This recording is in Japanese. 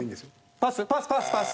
パスパスパス。